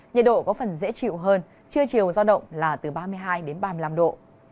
nhiệt độ có phần dễ chịu hơn trưa chiều do động là từ ba mươi hai đến ba mươi năm độ